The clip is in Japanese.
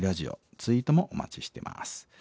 ツイートもお待ちしてます。